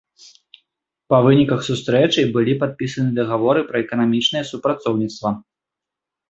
Па выніках сустрэчы былі падпісаны дагаворы пра эканамічнае супрацоўніцтва.